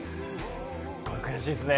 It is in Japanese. すごい悔しいですね。